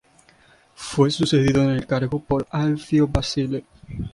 Fue sucedido en el cargo por Alfio Basile.